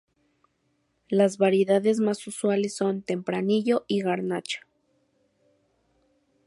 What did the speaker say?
Las variedades más usuales son: tempranillo y garnacha.